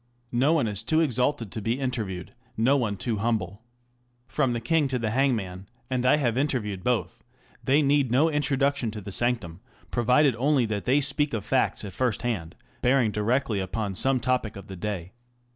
No one is too exalted to be interviewed, no one too humble. From^ the king to the hangman ŌĆö and I have interviewed both ŌĆö they need no introduction to the sanctum, provided only that they speak of facts at first hand bearing directly upon some topic of the day.